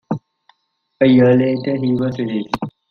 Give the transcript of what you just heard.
A year later, he was released.